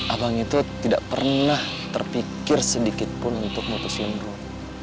abang itu tidak pernah terpikir sedikit pun untuk moto sindro